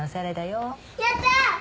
やった。